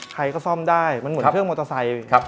ใครก็ซ่อมได้มันเหมือนเครื่องมอเตอร์ไซค์